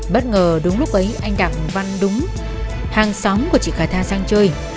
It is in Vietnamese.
bất ngờ đúng lúc ấy anh đặng văn đúng hàng xóm của chị khả tha sang chơi